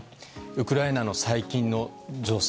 ウクライナの最近の情勢